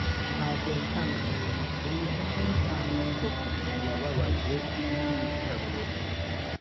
ntabwo yatangaje ayo makuru, yewe nta nubwo yababajwe n'iyicarubozo